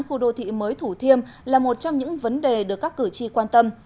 khu đô thị mới thủ thiêm là một trong những vấn đề được các cử tri quan tâm